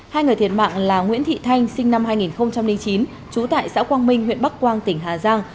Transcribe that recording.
hai người thiệt mạng là nguyễn thị thanh sinh năm hai nghìn chín trú tại xã quang minh huyện bắc quang tỉnh hà giang